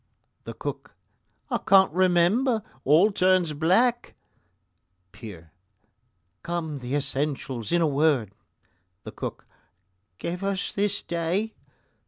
THE COOK: I can't remember; all turns black PEER: Come, the essentials in a word! THE COOK: Give us this day